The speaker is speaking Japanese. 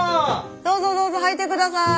どうぞどうぞ入って下さい。